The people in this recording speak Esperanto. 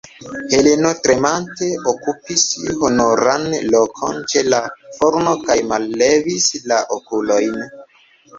Heleno tremante okupis honoran lokon ĉe la forno kaj mallevis la okulojn.